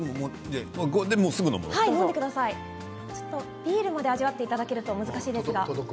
ビールまで味わっていただくのが難しいですが。